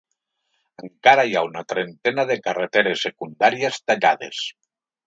Encara hi ha una trentena de carreteres secundàries tallades.